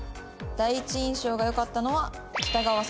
「第一印象が良かったのは北川さんです」。